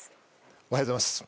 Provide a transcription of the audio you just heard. おはようございます。